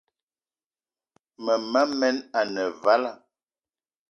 Mema men ane vala,